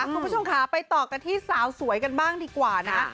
คุณผู้ชมค่ะไปต่อกันที่สาวสวยกันบ้างดีกว่านะ